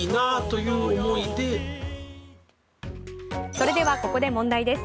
それではここで問題です。